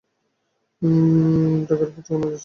Dagger four, রওনা দিয়েছে।